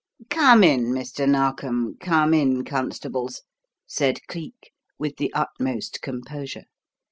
"Come in, Mr. Narkom; come in, constables," said Cleek, with the utmost composure.